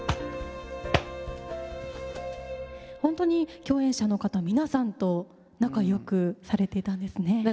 本当に共演者の方皆さんと仲よくされていたんですね。